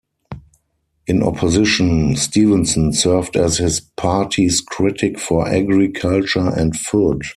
In opposition, Stevenson served as his party's critic for Agriculture and Food.